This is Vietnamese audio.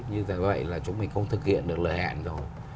như vậy là chúng mình không thực hiện được lời hẹn rồi